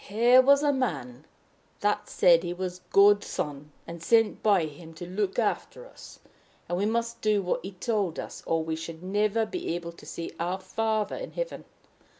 Here was a man that said he was God's son, and sent by him to look after us, and we must do what he told us or we should never be able to see our Father in heaven!